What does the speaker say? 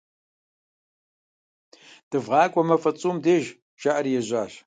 ДывгъакӀуэ, а мафӀэ цӀум деж, - жаӀэри ежьащ.